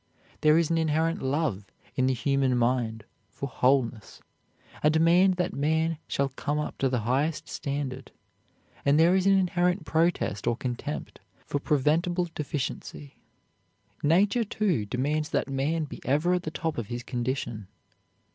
There is an inherent love in the human mind for wholeness, a demand that man shall come up to the highest standard; and there is an inherent protest or contempt for preventable deficiency. Nature, too, demands that man be ever at the top of his condition.